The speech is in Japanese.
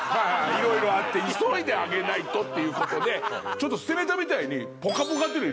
いろいろあって急いで上げないとっていうことでちょっと捨てネタみたいに。って言って。